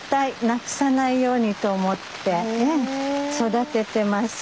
なくさないようにと思って育ててます。